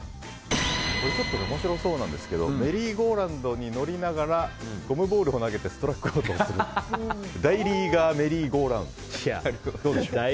面白そうなんですがメリーゴーラウンドに乗りながらゴムボールを投げてストラックアウトをする大リーガーメリーゴーラウンド。